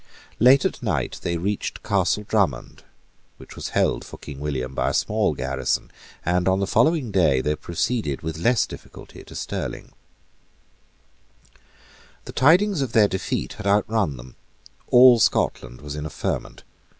Late at night they reached Castle Drummond, which was held for King William by a small garrison; and, on the following day, they proceeded with less difficulty to Stirling, The tidings of their defeat had outrun them. All Scotland was in a ferment.